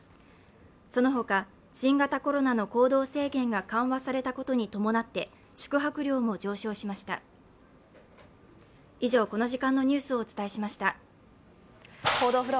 その他、新型コロナの行動制限が緩和されたことに伴って宿泊料も上昇しました。